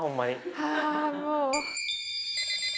はあもう。